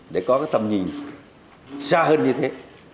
để có cái tầm nhìn xa hơn như thế